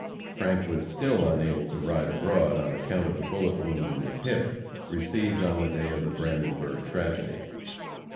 Frank was still unable to ride abroad on account of the bullet wound in his hip received on the day of the Brandenburg tragedy.